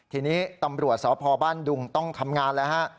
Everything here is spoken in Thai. ทีนี้ตำรวจสพบ้านดุงต้องทำงานแล้วฮะ